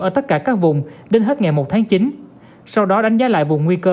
ở tất cả các vùng đến hết ngày một tháng chín sau đó đánh giá lại vùng nguy cơ